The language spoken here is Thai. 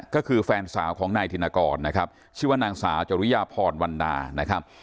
ก็คือแฟนสาวของในทีนากลชื่อว่านางสาจพรวรวัลดา